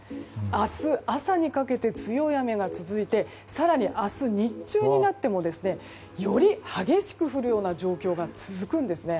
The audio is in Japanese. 明日朝にかけて強い雨が続いて更に、明日日中になってもより激しく降るような状況が続くんですね。